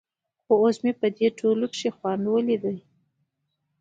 خو اوس مې په دې ټولو کښې خوند ليده.